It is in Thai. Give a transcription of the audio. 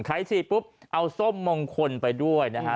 ฉีดปุ๊บเอาส้มมงคลไปด้วยนะฮะ